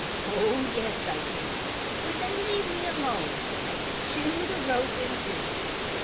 "Oh, yes I can, when they leave me alone, I can chew the rope in two."